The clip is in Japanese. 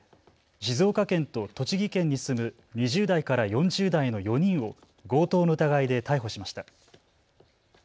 静岡県と栃木県に住む２０代から４０代の４人を強盗の疑いで逮捕しました。